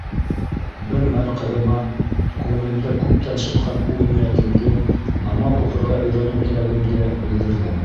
Бер мәл ҡыҙыма күңелемдә күптән шытҡан уй-ниәтемде — намаҙ уҡырға өйрәнеү теләгемде — белдерҙем.